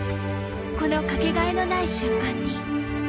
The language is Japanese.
このかけがえのない瞬間に。